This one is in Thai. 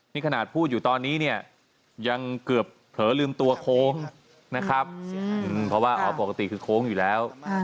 นี่ขนาดพูดอยู่ตอนนี้เนี่ยยังเกือบเผลอลืมตัวโค้งนะครับเพราะว่าอ๋อปกติคือโค้งอยู่แล้ว